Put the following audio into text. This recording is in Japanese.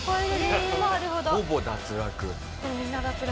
ほぼ脱落。